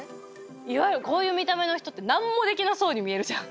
いわゆるこういう見た目の人って何もできなそうに見えるじゃん。